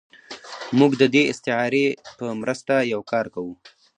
موږ د دې استعارې په مرسته یو کار کوو.